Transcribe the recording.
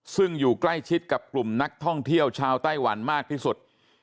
ซึ่งอยู่ใกล้ชิดกับกลุ่มนักท่องเที่ยวชาวไต้หวันมากที่สุด